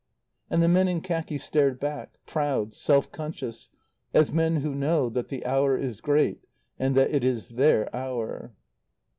And the men in khaki stared back, proud, self conscious, as men who know that the hour is great and that it is their hour.